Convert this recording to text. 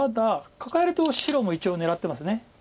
カカえると白も一応狙ってます。